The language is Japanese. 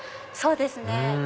そうですね。